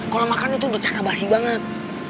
kalau makan itu udah cana basi banget